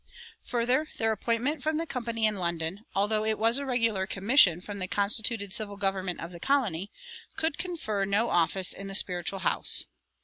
Further, their appointment from the Company in London, although it was a regular commission from the constituted civil government of the colony, could confer no office in the spiritual house.